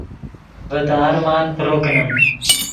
ڤے تے ارمان پرو کینیم